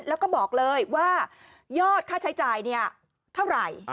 แล้วก็บอกเลยว่ายอดค่าใช้จ่ายเท่าไหร่